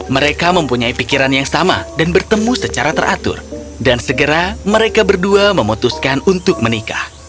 mereka mempunyai pikiran yang sama dan bertemu secara teratur dan segera mereka berdua memutuskan untuk menikah